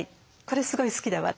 これすごい好きだわ」。